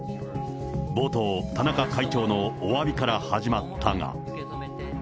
冒頭、田中会長のおわびから始まったが。